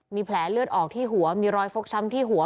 มีแผลเลือดออกที่หัวมีรอยฟกช้ำที่หัว